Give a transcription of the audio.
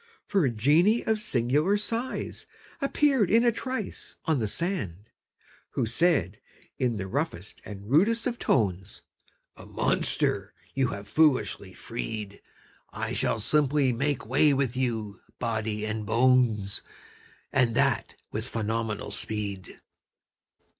For a genie of singular size Appeared in a trice on the sand, Who said in the roughest and rudest of tones: "A monster you've foolishly freed! I shall simply make way with you, body and bones, And that with phenomenal speed!"